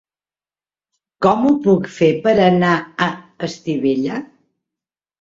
Com ho puc fer per anar a Estivella?